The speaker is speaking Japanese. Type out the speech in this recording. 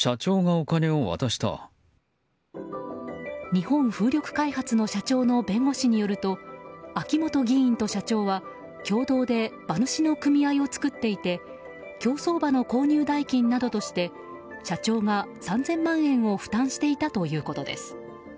日本風力開発の社長の弁護士によると秋本議員と社長は共同で馬主の組合を作っていて競走馬の購入代金などとして社長が３０００万円を負担していたということです。